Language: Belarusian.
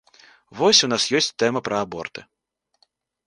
Вось у нас ёсць тэма пра аборты.